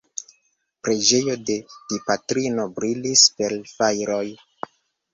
Preĝejo de Dipatrino brilis per fajroj.